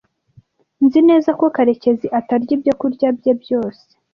Nzi neza ko Karekezi atarya ibyokurya bye byose.